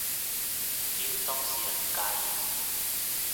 只要當事人唔介意